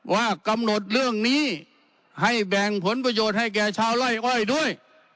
ว่ากำหนดเรื่องนี้ให้แบ่งผลประโยชน์ให้แก่ชาวไล่อ้อยด้วย